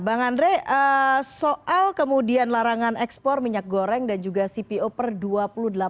bang andre soal kemudian larangan ekspor minyak goreng dan juga cpo per dua puluh delapan